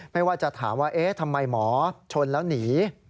ไม่ว่าจะถามว่าเอ๊ะทำไมหมอชนแล้วหนี